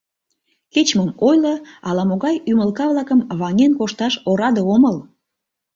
— Кеч-мом ойло, ала-могай ӱмылка-влакым ваҥен кошташ ораде омыл!